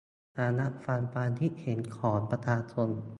การรับฟังความเห็นของประชาชน